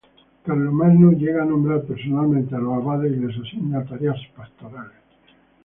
Carlomagno llega a nombrar personalmente a los abades y les asigna tareas pastorales.